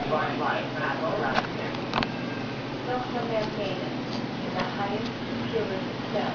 Divine Life hath crowned him. DOCTOR HARIANU8 (in the highest, purest eeU).